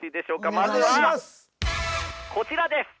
まずはこちらです！